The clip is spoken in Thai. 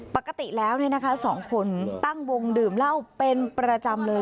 ปกติแล้วสองคนตั้งวงดื่มเหล้าเป็นประจำเลย